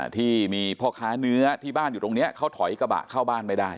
ที่มีพ่อค้าเนื้อที่บ้านอยู่ตรงนี้เขาถอยกระบะเข้าบ้านไม่ได้